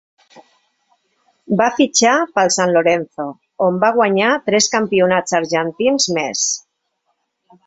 Va fitxar pel San Lorenzo, on ve guanyar tres campionats argentins més.